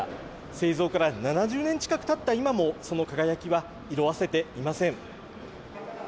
製造から７０年近くたった今も、その輝きは色あせていません。